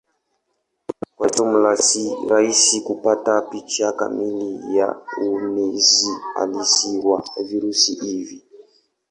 Kwa jumla si rahisi kupata picha kamili ya uenezi halisi wa virusi hivi.